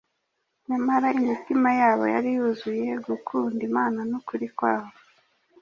nyamara imitima yabo yari yuzuye gukunda Imana n’ukuri kwayo